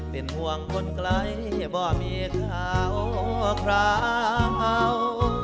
เป็นห่วงคนไกลบ่มีเขาคราว